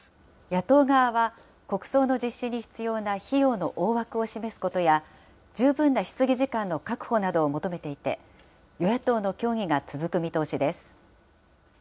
野党側は、国葬の実施に必要な費用の大枠を示すことや、十分な質疑時間の確保などを求めていて、与野党の協議が続く見通しです。